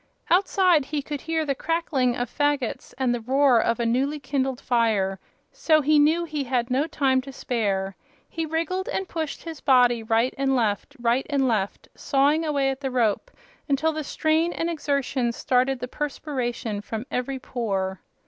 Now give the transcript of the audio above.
Outside he could hear the crackling of fagots and the roar of a newly kindled fire, so he knew he had no time to spare. He wriggled and pushed his body right and left, right and left, sawing away at the rope, until the strain and exertion started the perspiration from every pore.